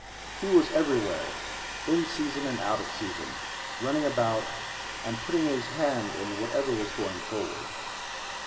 He was everywhere, in season and out of season, running about, and putting his hand in whatever was going forward.